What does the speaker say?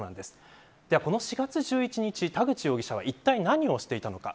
この４月１１日、田口容疑者はいったい何をしていたのか。